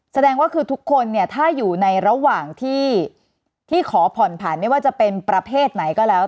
แสดงว่าคือทุกคนเนี่ยถ้าอยู่ในระหว่างที่ขอผ่อนผันไม่ว่าจะเป็นประเภทไหนก็แล้ว